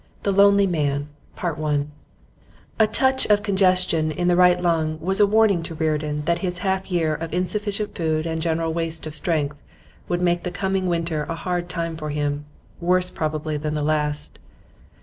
THE LONELY MAN A touch of congestion in the right lung was a warning to Reardon that his half year of insufficient food and general waste of strength would make the coming winter a hard time for him, worse probably than the last.